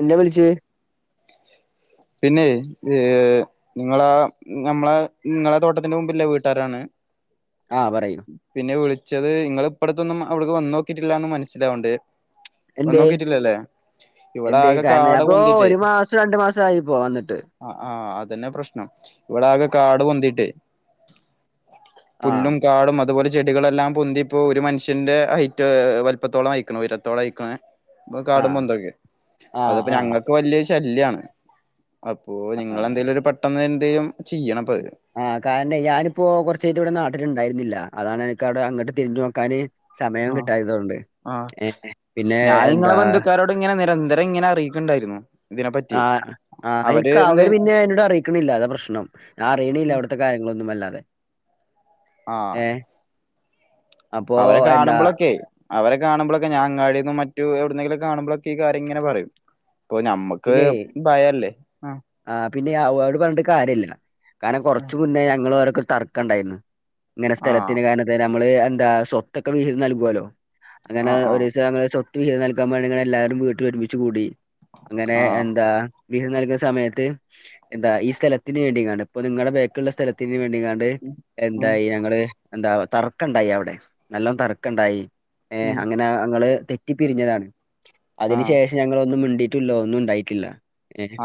എന്താ വിളിച്ചേ പിന്നെ നിങ്ങളാ നമ്മളെ നിങ്ങളെ തോട്ടത്തിന്റെ മുമ്പിലുള്ള വീട്ടാരാണ് ആഹ് പറയൂ പിന്നെ വിളി ച്ചത് നിങ്ങ ഇപ്പടത്തൊന്നും അവിടെക്ക് വന്ന് നോക്കിയിട്ടില്ലന്ന് മനസ്സിലാവണ്ട് വന്ന് എന്തേ നോക്കിട്ടില്ലല്ലേ ഇവിടെ എന്തേ ആകെ കാരണം കാട് അപ്പൊ പൊന്തിട്ട് ഒരു മാസം രണ്ടു മാസം ആയിപ്പോ വന്നിട്ട് ആ ആ അതന്നെ പ്രശ്നം ഇവിടെ ആകെ കാട് പൊന്തിട്ട് [inaudible] ആ കാടും അതുപോലെ ചെടികളെല്ലാം പൊന്തി ഇപ്പോ ഒരു മനുഷ്യന്റെ ഹൈറ്റ് വല്പത്തോളം അയക്കണ ഉരത്തോളം അയ്ക്ക്ന് കാടും ആഹ് മ്പോന്തൊക്കെ ആഹ് അതപ്പോ ആഹ് ഞങ്ങൾക്ക് വലിയ ശല്യാണ് അപ്പൊ ആഹ് നിങ്ങളെന്തെലും ഒരു പെട്ടെന്ന് എന്തെലും ചെയ്യണം ഇപ്പത് ആഹ് കാരണം ഞാനിപ്പോ കൊറച്ചായിട്ട് ഇവിടെ നാട്ടില് ഉണ്ടായിരുന്നില്ല അതാണ് എനിക്ക് അവിടെ അങ്ങോട്ട് തിരിഞ്ഞു നോക്കാന് സമയം ആഹ് കിട്ടായതൊണ്ട് ആഹ് ഏഹ് പിന്നെ എന്താ ന്തരം ഇങ്ങനെ അറിയിക്കുന്നുണ്ടായിരുന്നു ആഹ് ആഹ് എനിക്ക് അവര് പിന്നെ എന്നോട് അറിയിക്കണില്ല അതാ പ്രശ്നം ഞാൻ അറിയണില്ല അവിടുത്തെ കാര്യങ്ങളൊന്നും അല്ലാതെ ആഹ് ഏഹ് അപ്പൊ അവരെ എന്താ കാണുമ്പോളൊക്കെ അവരെ കാണുമ്പോളൊക്കെ ഞാൻ അങ്ങാടീന്നും മറ്റും എവിടുന്നെലും കാണുമ്പോഴൊക്കെ ഈ കാര്യംങ്ങനെ പറയും ഇപ്പൊ ഞമ്മക്ക് പിന്നെ ഭയല്ലേ ആഹ് പിന്നെ അവരോട് പറഞ്ഞിട്ട് കാര്യല്ല കാരണം കുറച്ച് മുന്നേ ഞങ്ങൾ തർക്കം ഉണ്ടായിരുന്നു ഇങ്ങനെ ആഹ് സ്ഥലത്തിന് കാരണത്തിന് നമ്മള് എന്താ സ്വത്തൊക്കെ വിഹിതം നൽകുവാലോ അങ്ങനെ ആഹ് ഒരു ആഹ് ദിവസം ഞങ്ങൾ സ്വത്ത് സ്വത്ത് വിഹിതം നൽക്കാൻ വേണ്ടി ഞങ്ങൾ എല്ലാരും വീട്ടിൽ ഒരുമിച്ച് കൂടി അങ്ങനെ ആഹ് എന്താ വിഹിതം നൽകുന്ന സമയത്ത് എന്താ ഈ സ്ഥലത്തിന് വേണ്ടിയെങ്ങാട്ട് ഇപ്പ നിങ്ങളുടെ ബേക്കിലുള്ള സ്ഥല ത്തിന് വേണ്ടിയെങ്ങാണ്ട് ഉം എന്തായി ഞങ്ങള് എന്താ തർക്കുണ്ടായി അവിടെ നല്ലോ തർക്കുണ്ടായി ഏഹ് ഉം അങ്ങനെ ഞങ്ങള് തെറ്റി പിരിഞ്ഞതാണ് അതിന് ആഹ് ശേഷം ഞങ്ങള് ഒന്നും മിടി ട്ടില്ല ഒന്നും ഉണ്ടായിട്ടില്ല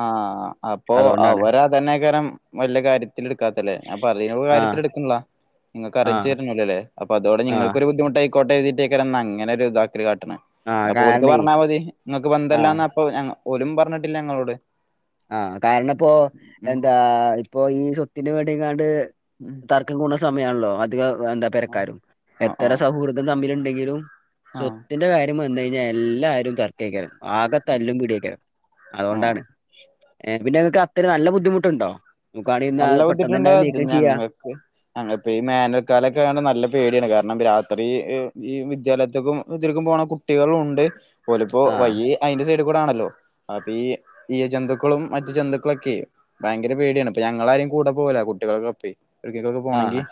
ആഹ് അപ്പൊ അതുകൊണ്ടാണ് അവര് അതന്നെ കാര്യം വലിയ കാര്യത്തിൽ എടുക്കാത്തല്ലേ ഞാൻ പറയുന്ന ആഹ് കാര്യത്തിൽ എടുക്കുന്നില്ല നിങ്ങൾക്ക് അറിയിച്ചു ആഹ് തരണില്ലല്ലേ അപ്പ അതോടെ ഞങ്ങക്ക് ആഹ് ഒരു ബുദ്ധിമുട്ടായി കോട്ടെ എഴുതിട്ടേക്ക അങ്ങനെ ഇതാക്ക് കാട്ട ആഹ് അപ്പോ ഓലിക്ക് കാരണേ പറഞ്ഞാൽ മതി നിങ്ങക്ക് ആഹ് ബന്തല്ലന്ന് അപ്പ ഞങ്ങൾ ഓലും പറഞ്ഞിട്ടില്ല ഞങ്ങളോട് ആഹ് കാരണം ഇപ്പോ ഉം എന്താ ഇപ്പൊ ഈ സ്വത്ത് ത്തിന് വേണ്ടിയെങ്ങാണ്ട് ഉം തർക്കം കൂടണ സമയമാണല്ലോ അതികം എന്താ പെരക്കാരും ആഹ് എത്ര ആഹ് സൗഹൃദം തമ്മിലുണ്ടെങ്കി തും ആഹ് സ്വത്തിന്റെ കാര്യം വന്നഴിഞ്ഞ എല്ലാരും തർക്കക്കണം ആക തല്ലും പിടിയക്കണ്. ആഹ് അതുകൊണ്ടാണ്. പിന്നെ ങ്ങക്ക് അത്തര് നല്ല ബുദ്ധിമുട്ടുണ്ടോ? നമുക്കാണെന്നാ നല്ല പെട്ടെന്ന് തന്നെ ബുദ്ധിട്ടുണ്ട്. അത് അ നീക്കം ചെയ്യാ ഞങ്ങക്ക് ഞങ്ങപ്പോ ഈ മാനുവക്കാലൊക്കെ ആ നല്ല പേടിയാണ് കാരണം രാത് അത്ര ഈ വിദ്യാലയത്തിക്കും ഇതിർക്കും പോണ കുട്ടികളും ഉണ്ട്. പോലിപ്പോ ആഹ് വയ അതിന്റെ സൈ ക്കൂടാണല്ലോ അപ്പൊ ഈ ഇയ ജന്തുക്കളും മറ്റു ജന്തുക്കളൊക്കെ ഭയങ്കര പേടിയാണ്. ഞങ്ങള ആരും കൂടെ പോവല കുട്ടികൾക്കൊപ്പേ ഇക്കികൊക്കെ പോണങ്കി ആഹ്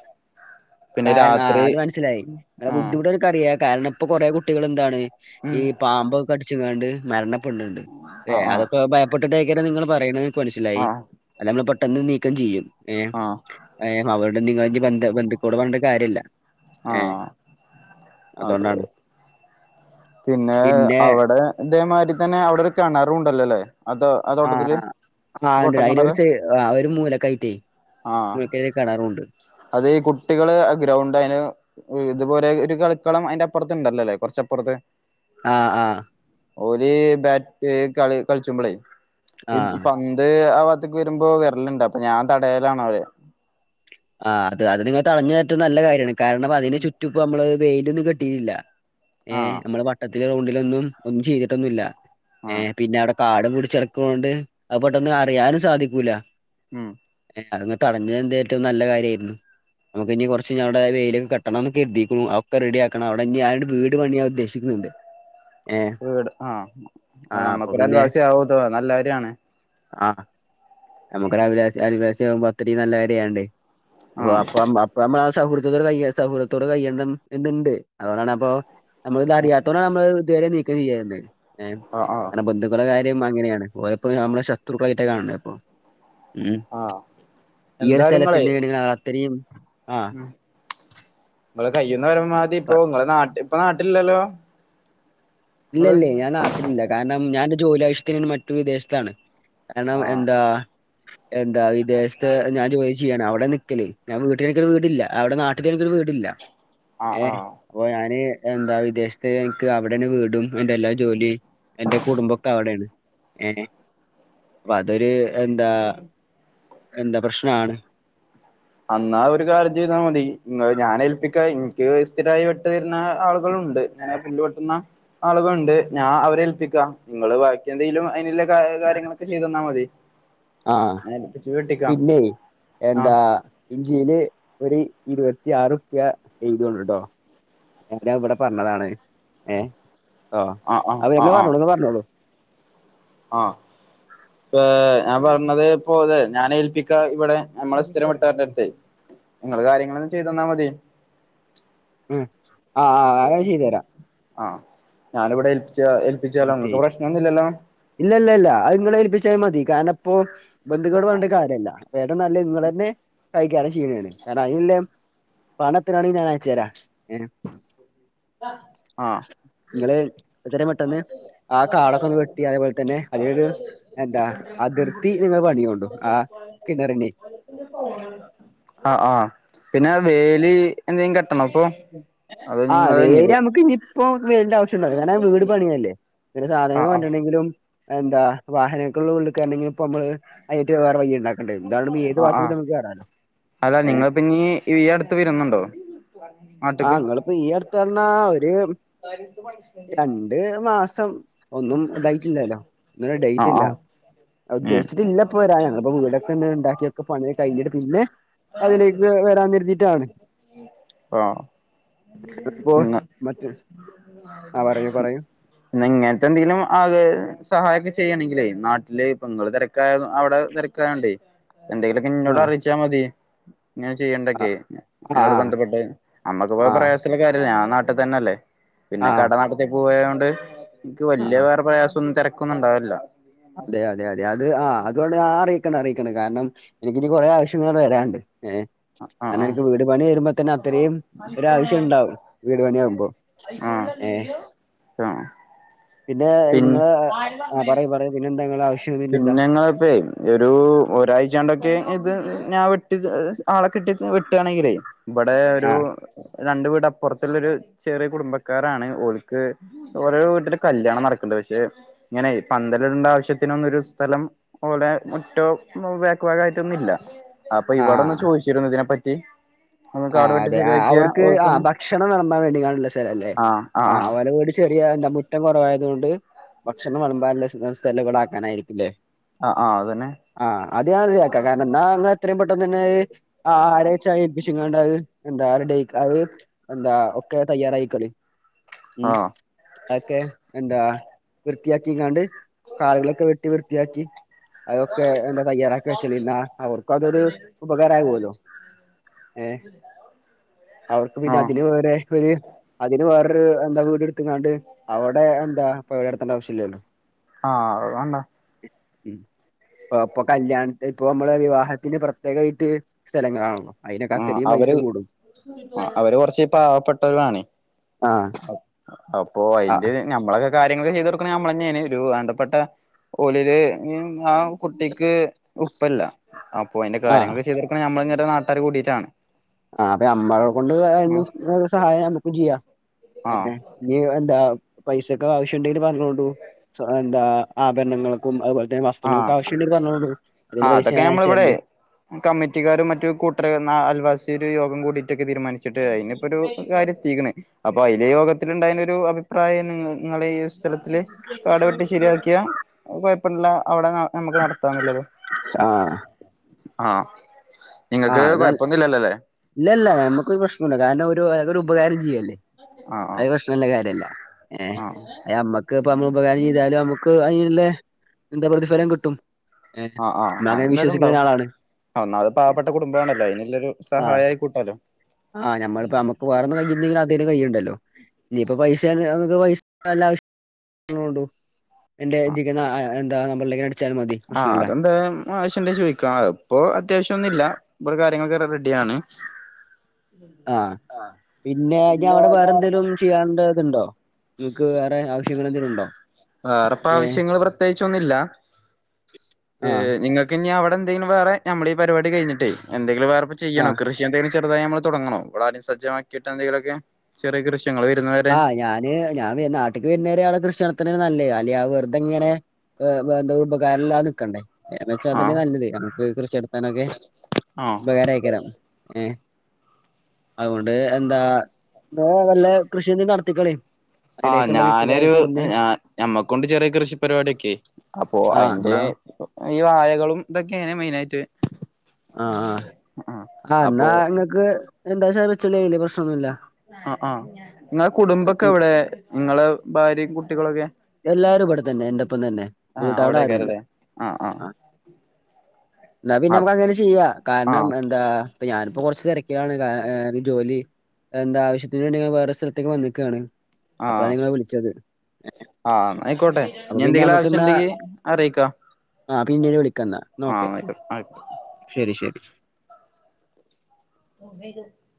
കാരണം ആ അത് മനസ്സിലായി. അെ ബുദ്ധിമുട്ടക്കറിയ കാരണം ഇപ്പൊ കുറെ കുട്ടികള്ന്താണ് ഉം ഈ പാമ്പൊക്കെ കടിച്ച്ങ്ങാണ്ട് മരണ ണ്ട് ആഹ് അതൊക്കെ ഭയപ്പെട്ടിട്ട് നിങ്ങള് പറയണ് മനസ്സിലായി ആഹ് അല്ലമ്മള് പെ എന്ന് നീക്കം ചെയ്യും. ഏ ആഹ് ആഹ് ഏമാ നിങ്ങ‌ജ് ബന്ത ബന്ദു ടുവേണ്ട കാര്യല്ല. ഏ ആഹ് അതെ അതൊണ്ടാണ്. പിന്നെ അവിടെ ഇതേമായി തന്നെ അവിടെ ഒരു കെണാറുംണ്ടല്ലോല്ലേ. അതോ ആതോട്ടത്തില് ആഹ് ആഹ് ഇണ്ട് അയിലൊരു പൊട്ടക്കെണറ് സൈ ആഹ് ഒരു മൂലക്കായിട്ടേ ആഹ് ആഹ് മൂലക്കൊരു കെണറുണ്ട് അത് ഈ കുട്ടികള് ഗ്രൗണ്ട് അതിന് അതുപോലെ ഒരു കളിക്കളം അയിന്റെ അപ്പുറത്ത്ണ്ടല്ലല്ലേ കുറച്ചപ്പുറത്ത്. ആഹ് ആഹ്. ഓര് ബാറ്റ് കളി കളിച്ച്മ്പളേ ഇ ആഹ് പന്ത് അവ ഇത്തേക്ക് വരുമ്പോ വെരലുണ്ട് അപ്പൊ ഞാൻ തടയലാണ് അവരെ ആഹ് അത് അത് നിങ്ങൾ തടഞ്ഞ് ട്ട് നല്ല കാര്യാണ്. കാരണം അതിന് ചുറ്റും ഇപ്പ നമ്മള് വെയിലൊന്നും കിട്ടിട്ടില്ല ഏഹ് ആഹ് നമ്മുടെ ഭട്ട ഗ്രൗണ്ടിലൊന്നും ഒന്നും ചെയ്തിട്ടൊന്നുമില്ല ആഹ് ഏഹ് പിന്നെ അവിടെ കാട പിടിച്ചടക്കന്നോണ്ട് അത് പെട്ടന്ന് അറിയാനും സാധിക്കൂല്ല ഉം [unintelligible] അതങ് തടഞ്ഞെഎന്തേ റ്റോം നല്ല കാര്യയിരുന്നു നമുക്ക് ഇനി കുറച്ച്ടെ വെയിലികെട്ടണംമെന്ന് കര്തിക്കുണു ഒക്കെ റെഡിയക്കണം അവിടെ ഇനി ആരണ്ട് വീട് പണിയാ ഉദ്ദേശിക്കുന്ന്ണ്ട് വീട് ആഹ് അപ്പൊ നമ്മക്കൊരു പിന്നെ അൽവാസി ആവുത് നല്ല കാര്യാണ് ആഹ് നമുക്കരു അ [unintelligible] അയൽവാസി ആമ്പോ അത്രേം നല്ല കാര്യാണ്ടേ അപ്പോ ആഹ് അപ്പൊ മ്മള സൗഹൃദത്തോടെ കൈയ സൗഹൃത്തോടെ കയ്യേണ്ടം എന്ന്ണ്ട് അതുകൊണ്ടാണ് അപ്പൊ നമ്മളറിയാത്തോടെ നമ്മള് ഇതുവരെ നീക്കം ചെയ്യാന്നെ ഏഹ് ആഹ് ആഹ് അങ്ങനെ ബന്ധുക്കള കാര്യ ന്റ മ്മ അങ്ങനെയാണ് ഓയപ്പോ നമ്മളെ ശത്രുക്കളായിട്ട കാണ അപ്പൊ ഉം ആഹ് ഈ ഒരു എന്തായാലും സ്ഥലത്തി ഇങ്ങളെ [unintelligible] ശരിയും ഉം നമ്മള് കയ്യന്ന് വരു മാ ഇപ്പോങ്ങളെ നാ [unintelligible] ഇപ്പ നാട്ടിലില്ലല്ലോ ഇല്ല ഇങ്ങള് ഇല്ലെ ഞാൻ നാട്ടിലില്ല കാർണം ഞന് ജോലി ആവശ്യത്തിന് മറ്റു വിദേശ് ത്താണ് എണം ആഹ് എന്താ എന്താ വിദേശ്ത്ത് ഞാൻ ജോലി ചെയ്യാണ് അവിടെ നിക്കല്. ഞാൻ വീട്ടിലെനിക്ക് ഒരു വീടില്ല അവിടെ നാട്ടിലെനിക്കൊരു വീ ടില്ല ആഹ് ഏഹ് ആഹ് അപ്പൊ ഞാന് എന്താ വിദേശത്ത് എനിക്ക് അവിടന്ന് വീട് എന്റെ എല്ലാ ജോലിയും എന്റെ കുടുംബം ഒക്കെ അവിടെയാണ് ഏ അപ്പൊ അതൊരു എന്താ എന്താ പ്രശ്നാണ് അന്നാ ഒരു കാര്യം ചെയ്താൽ മതി ഇ ഞാൻ ഏൽപ്പിക്കാ എനിക്ക് സ്ഥിരമായി വെട്ടു തരുന്ന ആൾ ണ്ട് ഇങ്ങനെ പുല്ല് വെട്ടുന്ന ആളുകളുണ്ട് ഞാൻ അവരെ ഏൽപ്പിക്കാം നിങ്ങള് ബാക്കിയെന്തേലും അയിന് കാര്യങ്ങളൊക്കെ ചെയ്തു തന്നാ മതി ആഹ് ആ [unintelligible] പിന്നെ എന്താ ഇഞ്ചിയില് ഒരു ഇരുപത്തിയാറ്ുപ്യ എഴുത കൊണ്ട് കേട്ടോ ഞര ഇവിടെ പറഞ്ഞതാണ് ഏ ആഹ അത് എെ പറഞ്ഞോളൂ എന്ന് പറഞ്ഞോളൂ ആഹ ഇപ്പ ഞാൻ പറഞ്ഞത് പോതെ ഞാനൻ ഏൽപ്പിക്കാ ഇവിടെ നമ്മ ഇങ്ങള് സ്ഥിരംട്ടടു പറഞ്ഞോളൂ നി അ ചെയ്തു തന്നാ മതി ഉം ആഹ് ആ് അ ചെയ്തരാ ആഹ് ഞാനിവിടെ ഏൽപ്പിച്ച ഏൽപ്പിച്ചാലോ നിങ്ങൾക്ക് പ്രശ്നമൊന്നുമില്ലല്ലോ ഇല്ല ഇല്ല ഇല്ല അത്ങ്ങളെ ഏൽപ്പിച്ച മതി കാരണം അപ്പോൊ ബന്ധുക്കോട് വേണ്ട കാര്യമല്ല വേട നല്ല ഇങ്ങെ തന്നെ കഴിക്കാറ ക്ഷീണാണ് കാരണം അതിനല്ല പണം എത്തണാണെങ്കിൽ ഞാൻ അയച്ച തരാം ഏ ആഹ് ഇടെെ [unintelligible] മെട്ടന്ന് ആ കാടൊക്കെ ഒന്ന് വെട്ടി അതേപോലെ തന്നെ അതിരു എന്താ അതിർത്തി നിങ്ങൾ പണിയ കൊണ്ടു ആ കിണറിനെ ആഹ് ആഹ് പിന്നെ വേലി എന്തെങ്കും ക അ അ [unintelligible] വരെ നമുക്ക് ഇ ബു വേണ്ട ണ്ട ഞാൻ വീട് പണിയല്ലേ ഇ ആഹ് സാധകങ്ങം ആഹ് വഞ്ഞിട്ടണമെങ്കിലും എന്താ വാഹനൊക്ക ഉള്ളിക്കാരണെങ്കിലിൽ ഇ നമ്മള് അയറ്റ് വേറെ വയ്യുണ്ടാക്കും ആ ആ അല്ല ഏ നിങ്ങ പിന്നീ ഈ അടുത്ത് വരുന്നുണ്ടോ ആ നാട്ട്ക്ക് നിങ്ങിപ്പോ ഈ അടുത്ത് പറഞ്ഞാ ഒരു രണ്ട് മാസം ഒന്നും ഇതായിട്ടില്ലല്ലോ ഒന്ന ഡേറ്റ് ആഹ് ഇല്ല ആഹ് ഉദ്ദേശിച്ചിട്ട് ഏഹ് ഇല്ല ഇപ്പൊ വരാ ഞങ്ങിപ്പോ വീടൊക്കെ തന്നെ ഉണ്ടാക്കിയൊക്കെ പണി കഴിഞ്ഞിട്ട് പിന്നെ അതിലേക്ക് വരാ നിരുന്നീട്ടാണ് മറ്റ് ആ പറയൂ പറയൂ ഇങ്ങനത്തെ എന്തെങ്കിലും ആക സഹായിക്ക ചെയ്യയാണെങ്കിൽേ നാട്ടില് നിങ്ങള് തിരക്കായ അവിടെ തിരക്കായുണ്ടേ എന്തെങ്കിലുമൊക്കെ ആ ഇന്നോട് അറിയിച്ചാൽ മതി ഇങ്ങനെ ആ ചെയ്യണ്ടൊക്കെ ആ അതിനോട് ബന്ധപ്പെട്ട് നമ്മക്ക് ഇപ്പോ ആ പ്രയാസുള്ള കാര്യല്ല നാട്ടിൽ തന്നെ അല്ലേ ആ പിന്നെ കട നടാടത്തി പോയത കൊണ്ട് എനിക്ക് വലിയ വേറെ പ്രയാസം ഒന്നും തിരക്ക നക്കൊന്നണ്ടാവില്ല അതെയ അതെ അതെ അതെ അത് ആ അതുകൊണ്ട് അറിയിക്കണ അറിയിക്കണം കാരണം എനിക്കി കുറെേ ആവശ്യങ്ങൾ വരാണ്ട് ഏ ആഹ് ആഹ് കാരണംഎനിക്ക് വീട് പണി വരുമ്പോ തന്നെ ഇത്രയും ഒരു ആാവശ്യം ഉണ്ടാവും വീട് പണിയാകുമ്പോ ഏ ആഹ് ആഹ് പിന്നെ നിങ്ങ ആ പറയും പറയും പിന്നെങ്ങള ഇപ്പേ ഒരു ഒരാഴ്ചണ്ടൊക്കെ ഇത് ഞാൻ വെട്ടി ആളൊക്കെ ഇട്ടി വെട്ടുകയാണെങ്കിലേ ഇവിടെ ഒരു ആ രണ്ട വീട അപ്പുറത്തുള്ളരു ചെറിയ കുടുംബക്കാരാണ് ഓലക്ക് ഓരോ വീട്ടില് കല്യാണം നടക്കണ്ടണ്ട് പക്ഷെ ഇങ്ങനെ പന്തല്ടണ്ട ആവശ്യത്തിനൊന്നരു സ്ഥലം ഓലെ മുറ്റവും ബാക്ക് ഭാഗം ആയിട്ടൊന്നുംഇ ല്ല അപ്പൊ ആ ഇവിടെന്ന് ചോദിച്ചിരരുന്നു ഇതിനെ പറ്റി റ്റി നമുക്ക് അവി അത അവർക്ക് ആ ഭക്ഷണം വിളമ്പാൻ വേണ്ടി കാണുള്ള സ്ഥലം അല്ലേ ആഹ് ആഹ് ആ ഓല വീട് ചെറിയ എന്താ മുറ്റം കുറവായതത് കൊണ്ട് ഭക്ഷണം വി ളമ്പൻ സ്ഥലം ഇവിടെ ആക്കാൻ ആയിരിക്കില്ലേ ആഹ് ആഹ് ആഹ് അതന്നെ ആ അത് ഞാൻ ശരിയാക്കാം കാരണം ന ഇങ്ങള് എത്രയും പെട്ട തന്നെ [unintelligible] ആ ആരച്ച ണ്ടത് ഉ ചർ ഡേക്ക് അ [unintelligible] എന്താ ഒക്കെ തയ്യാറായിക്കളി ഉ ആഹ് ക്കെ എന്താ വൃത്തിയാക്കിങ്ങാണ്ട് കാടുകളൊക്കെ വെട്ടി വൃത്തിയാക്കി അതൊക്കെ എന്താ തയ്യാറാക്കി വെച്ചുന്നാ അവർക്കും അതൊരു ഉപകാര ആകല്ലോ ഏ അവർക്ക് പിന്നെ ആഹ് അതിന് വേറെ അതിന് വേറരു എന്താ എടുത്തക്കാണ്ടണ്ട് അവിടെ എന്താ ഇപ്പൊ അ ആവശ്യമില്ലല്ലോ ആ അതാണ് ഇ ഇപ്പൊ കല്യാണ ഇപ്പോൾ നമ്മളെ വിവാഹത്തിന് പേര വീറ്റ് സ്ഥലം കാണും ആ അവര് അവര് കൊറച്ച് പാവപ്പെട്ടവരാണേ ആഹ് അപ്പോ ആഹ് അതിന്റെ നമ്മളെ കാര്യങ്ങള് ചെയ്ത് കൊടുക്ക്ണത് നമ്മളെന്നേണ് ഒരു വേണ്ടപ്പെട്ട ഓലില് ആ കുട്ടിക്ക് ഉപ്പല്ല അപ്പൊ അതിന്റെ കാര്യങ്ങളൊക്കെ ചെയ്ത്ടുക്ക്ണത് നമ്മളന്നേണ് ഇൻ്റേ നാട് കറി കൂടിയിട്ടാണ് ആ അപ്പൊ ന്നമ്മളെ കൊണ്ട് കഴിയുന്ന സഹായം നമ്മുക്കും ചെയ്യാം ആഹ് എങ്ങനെ ലീവ്ണ്ടാകും പൈസൊക്കെ ആവശ്യം ണ്ടെങ്കിൽ പറഞ്ഞോണ്ടു എന്താ ആഭരണങ്ങൾക്കും അതുപോലെ തന്നെ ആ വസ്ത്രങ്ങൾക്കും ആവശ്യണ്ടെങ്കിൽ പറഞ്ഞോണ്ടു ആ അതിലുള്ള പൈസ അതൊക്കെ ഞാൻ ഞമ്മളിവിടെ അയച്ചരണ്ട് കമ്മിറ്റിക്കാരും മറ്റു കൂട്ടർ അൽവാസി തിരു യോഗം കൂടി ഒറ്റക്ക് തീരുമാനിച്ചിട്ട് അയ്ന്പ്പരു കാര്യം എത്തീക്ക്ണ് അപ്പൊ അതിലെ യോഗത്തിനുണ്ടായൊരു അഭിപ്രായം നി നിങ്ങളെ സ് സ്ഥലത്തില് കാട് വെട്ടി ശരിയാക്കിയാ കൊയപ്പ പ്പ്ള്ള അവിടെ നമുക്ക് നടത്താൻ ന്നുള്ളത് ആ ആ ഇല്ല ഇല്ല ഞമ്മക്കൊരു പ്രശ്ണുല്ല കാരണം ഒ ഒരു ഉപകാരം ചെയ്യല് ആഹ് അത് പ്രശ്നള്ള കാര്യല്ലാ ഏ ആഹ് അത് ഞമ്മക്ക് ഇപ്പം നമ്മൾ ഉപകാരം ചെയ്താലും നമുക്ക് അയ്ന്ല്ലെ എന്താ പ്രതിഫലം കിട്ടും. ഏഹ് ആഹ് ആഹ് ആഹ് എന്നാണ് അത് ഞാൻ എന്തായാലും വിശ്വസിക്ണ ഉണ്ടാവും ഒരാളാണ്. ഒന്നാമത് പാവപ്പെട്ട കുടുംബാണല്ലോ അയിനുള്ളൊരു ആഹ് സഹായായി കൂട്ടാലോ ആഹ് ഞമ്മളിപ്പോ നമുക്ക് വേറൊന്നും കഴിഞ്ഞില്ലേലും അതേലും കയ്യ്ണ്ടല്ലോ. ഇനിയിപ്പം പൈസേണ് [unintelligible] പൈസ വല്ല ആവശ്യ [unintelligible] പറഞ്ഞോളൊണ്ടു. എന്റെ എത്തിക്ക്ണ അ എ എന്താ. പള്ളിക്കാട് ആഹ് അതെന്തായും ആവശ്യണ്ടെങ്കി ചോയിക്കാ. ഇപ്പൊ അത്യാവശ്യ ഒന്നും ഇല്ല. ഇബടെ കാര്യങ്ങളൊക്കെ റ റെഡിയാണ്. ആഹ്. പിന്നെ ഇജ്ജവ്ടെ വേറെന്തെലും ചെയ്യാണ്ട ത്ണ്ടോ? വേറെപ്പ ഏഹ് ആവശ്യങ്ങൾ പ്രത്യേകിച്ചൊന്നില്ല. ആഹ് ഏഹ് നിങ്ങക്ക് ഞ്ഞ് അവിടെ എന്തങ്കിലും വേറെ ഞമ്മളിം പരിപാടി കഴിഞ്ഞിട്ടേ എന്തെങ്കിലും വേറെപ്പ ചെയ്യണോ ആഹ് കൃഷി എന്തങ്കിലും ചെറുതായി നമ്മള് തുടങ്ങണോ. ഇവട നി സജ്ജമാക്കിയിട്ട് എന്തെങ്കിലുമൊക്കെ ചെറിയ കൃഷി ഞങ്ങള് വരുന്നവരെ നീ ഞാൻ വേ നാട്ടിക്ക് വര്ന്നവരെ അവടെ കൃഷി നടത്ണേ നല്ലേ. അല്ലെ ആ വെർതെങ്ങനെ എ വേന്താ ഉപകാരല്ലാ നിക്കണ്ടേ. എന്നെച്ച അതന്നെ ആഹ് നല്ലത്. നമുക്ക് കൃഷി നടത്താനൊക്കെ ആഹ് ഉപകാരയിക്കണം. ഏഹ് അഉകൊണ്ട് എന്താ വേ നല്ലേ കൃഷിനീനടത്തിക്കോളീ. ആഹ് ഞാനൊരു ഹ് ഞാ ഞമ്മക്കൊണ്ട് ചെറിയ കൃഷി പരിവാടിയൊക്കെ. അപ്പോ ആഹ് അയിന്റ എന്നാ ഈ വഴകളും തൊക്കെനെ മെയിനായിട്ട്. ആഹ് ആഹ് ആഹ് ന്നാ ങ്ങക്ക് എന്താച്ചാ വെ [unintelligible] അഹ് ആഹ് ങ്ങേ കുടുംബൊക്കെ എവിടേ? ങ്ങളെ ഭാര്യയും കുട്ടികളൊക്കെ എല്ലാരും ഇവടെ തന്നെ എന്റെറ പ്പം തന്നെ. വീട്ട അവ്ടെ ആരുല്ല. ആഹ് ന്നാ പിന്നെ ആഹ് മുക് അങ്ങനെ ചെയ്യാ. കാരണം ആഹ് എന്താ പ്പൊ ഞാനിപ്പോ കോർച്ച് തെരക്കിലാണ്. കാ ആ ജോലി എന്താവശ്യത്തിന് വേണ്ടി വേറെ സെൽത്തേക്ക് വന്നേക്കാണ്. അപ്പഴാ ആഹ് നിങ്ങളെ വിളിച്ചത്. ആഹ് ന്നായിക്കോട്ടെ. അപ്പൊ ഞ്ഞി പിന്നെ എന്തെങ്കിലു നമുക്ക്ന്നാ ആവശ്യണ്ടെങ്കി അറിയിക്ക. ആഹ് പിന്നീട് വിളിക്കാന്നാ എന്നാ എന്നാ ഓക്കെ ശരി ശരി [unintelligible] [unintelligible]